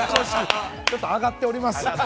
ちょっと上がっております。